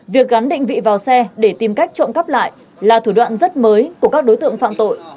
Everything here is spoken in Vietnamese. việc gắn định vị vào xe để tìm cách trộm cắp lại là thủ đoạn rất mới của các đối tượng phạm tội